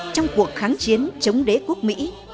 trong cuộc kháng chiến chống đế quốc mỹ